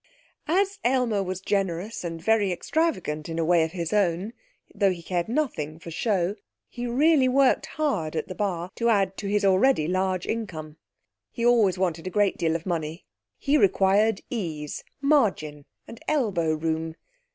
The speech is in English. As Aylmer was generous and very extravagant in a way of his own (though he cared nothing for show), he really worked hard at the bar to add to his already large income. He always wanted a great deal of money. He required ease, margin and elbow room.